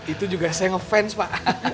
itu juga saya ngefans pak